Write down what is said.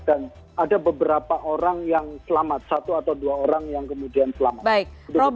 dan ada beberapa orang yang selamat satu atau dua orang yang kemudian selamat